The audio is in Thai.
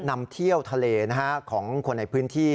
นำเที่ยวทะเลของคนในพื้นที่